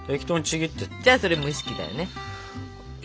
じゃあそれ蒸し器だよね。